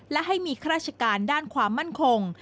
และให้มีข้าราชการด้านความมั่นคง